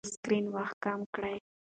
د سکرین وخت کم کړئ.